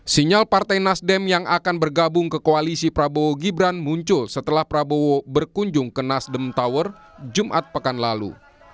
sinyal partai nasdem yang akan bergabung ke koalisi prabowo gibran muncul setelah prabowo berkunjung ke nasdem tower jumat pekan lalu